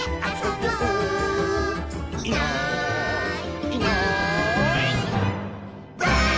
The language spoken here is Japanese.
「いないいないばあっ！」